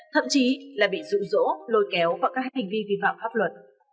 thậm chí là bị rủi ro lôi kéo vào các hành vi vi phạm pháp luật